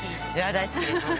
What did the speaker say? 大好きです。